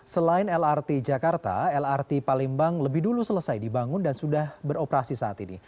selain lrt jakarta lrt palembang lebih dulu selesai dibangun dan sudah beroperasi saat ini